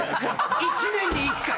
１年に１回。